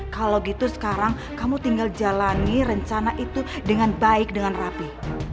kalau gitu sekarang kamu tinggal jalani rencana itu dengan baik dengan rapi